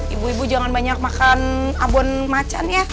ibu ibu jangan banyak makan abon macan ya